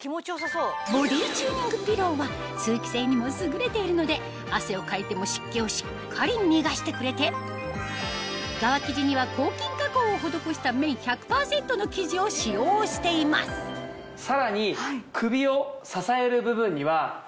ボディチューニングピローは通気性にも優れているので汗をかいても湿気をしっかり逃がしてくれて側生地には抗菌加工を施した綿１００％の生地を使用していますさらに。